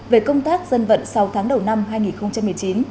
về công tác dân vận sáu tháng đầu năm hai nghìn một mươi chín